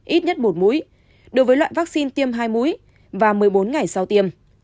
ít nhất một mũi đối với loại vaccine tiêm hai mũi và một mươi bốn ngày sau tiêm